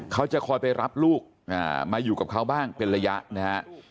เขาจะคอยไปรับลูกมาอยู่กับเขาบ้างเป็นระยะนะฮะ